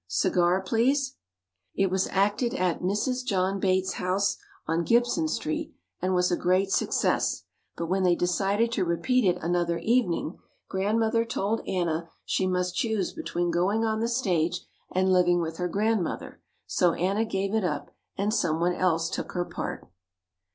Cigar, please!" It was acted at Mrs. John Bates' house on Gibson Street and was a great success, but when they decided to repeat it another evening Grandmother told Anna she must choose between going on the stage and living with her Grandmother, so Anna gave it up and some one else took her part.